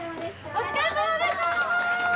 お疲れさまでした。